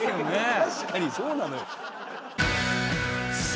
確かにそうなのよ。